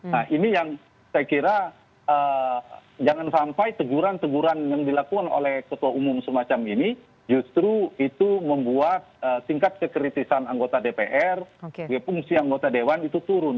nah ini yang saya kira jangan sampai teguran teguran yang dilakukan oleh ketua umum semacam ini justru itu membuat tingkat kekritisan anggota dpr fungsi anggota dewan itu turun